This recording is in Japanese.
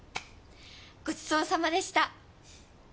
ごちそうさまでした。